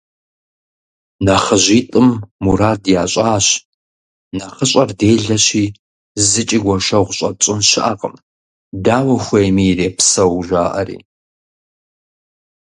НэхъыжьитӀым мурад ящӀащ: «НэхъыщӀэр делэщи, зыкӀи гуэшэгъу щӀэтщӀын щыӀэкъым, дауэ хуейми ирепсэу», – жаӀэри.